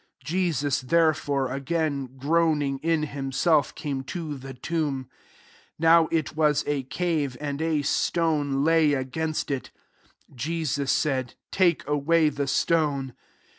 38 Jesus therefore, again groaning in himself, came to the tomb. Now it was a cave, and a stone lay against it. 39 Jesus said, *' Take away the stone."